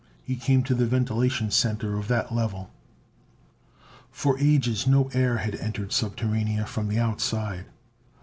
He came to the ventilation center of that level. For ages no air had entered Subterranea from the outside.